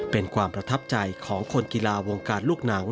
เป็นความประทับใจของคนกีฬาวงการลูกหนัง